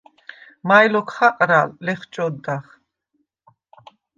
“მაჲ ლოქ ხაყრა?” ლეხჭოდდახ.